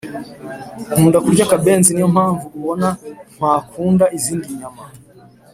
nkunda kurya akabenzi niyompamvu ubona ntwakunda izindi nyama